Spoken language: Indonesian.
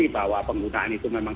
bahwa penggunaan itu memang